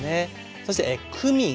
そしてクミン。